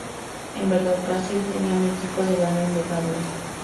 En verdad, Brasil tenía un equipo de gran envergadura.